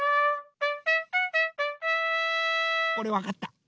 これわかった！